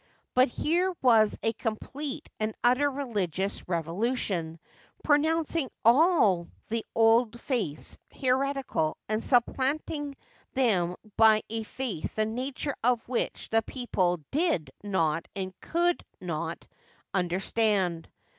But here was a complete and utter religious revolution, pronouncing all of the old faiths hereticm and supplanting them by a faith the nature of which the people aid not and could not un derstand.